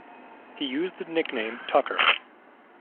He used the nickname Tucker.